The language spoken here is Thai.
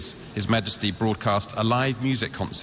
็ปุ่มด้านกระโดยสมาศคลินี